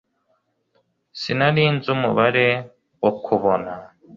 sinari nzi umubare wo kubona